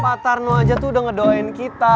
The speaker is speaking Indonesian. pak tarno aja tuh udah ngedoain kita